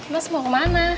mas mau kemana